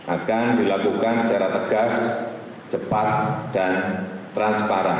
akan dilakukan secara tegas cepat dan transparan